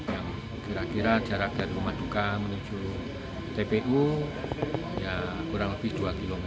yang kira kira jarak dari rumah duka menuju tpu kurang lebih dua km